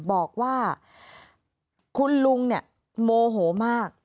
บอกว่าคุณลุงโมโหมาก